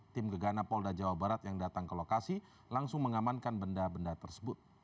tim gegana polda jawa barat yang datang ke lokasi langsung mengamankan benda benda tersebut